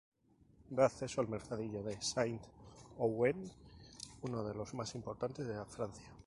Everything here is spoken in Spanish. Da acceso al mercadillo de Saint-Ouen, uno de los más importantes de Francia.